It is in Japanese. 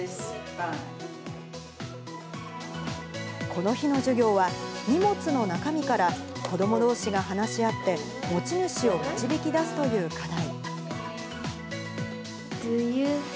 この日の授業は、荷物の中身から、子どもどうしが話し合って、持ち主を導き出すという課題。